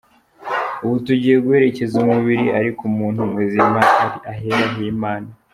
Ubu tugiye guherekeza umubiri, ariko umuntu muzima ari ahera h’Imana.